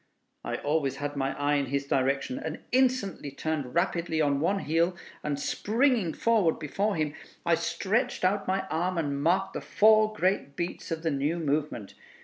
I always had my eye in his direction, and instantly turned rapidly on one heel, and springing forward before him, I stretched out my arm and marked the four great beats of the new movement.